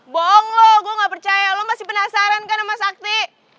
bohong lo gue gak percaya lo masih penasaran kan sama sakti